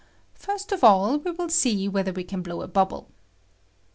First of aU we will see whether we can blow a bubble.